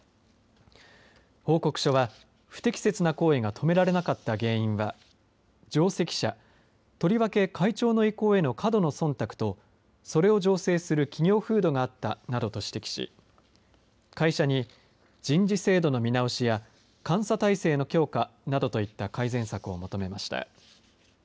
報告書は、不適切な行為が止められなかった原因は上席者、とりわけ会長の意向への過度なそんたくとそれを醸成する企業風土があったなどと指摘し会社に人事制度の見直しや監査体制の強化などといった改善策を求めました。